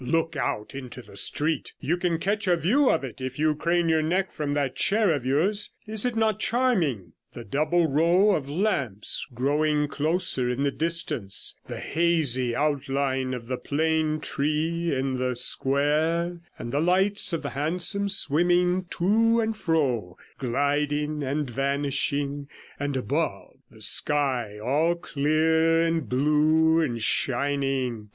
Look out into the street; you can catch a view of it if you crane your neck from that chair of yours. Is it not charming? The double row of lamps growing closer in the distance, the hazy outline of the plane tree in the square, and the lights of the hansoms swimming to and fro, gliding and vanishing; and above, the sky all clear and blue and shining.